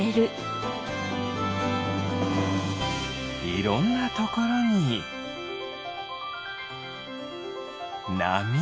いろんなところになみ。